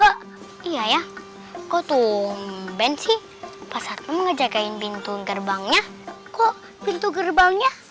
dari siapa siapa kak iya ya kau tumben sih pas aku ngejagain pintu gerbangnya kok pintu gerbangnya